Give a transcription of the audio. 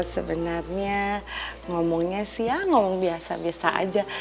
sebenarnya ngomongnya sih ya ngomong biasa biasa aja